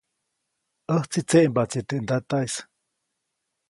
ʼÄjtsi tseʼmbaʼtsi teʼ ntataʼis.